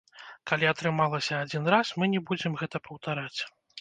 Калі атрымалася адзін раз, мы не будзем гэта паўтараць.